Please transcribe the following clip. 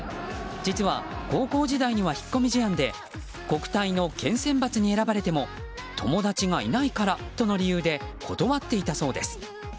実は高校時代には引っ込み思案で国体の県選抜に選ばれても友達がいないからとの理由で断っていたそうです。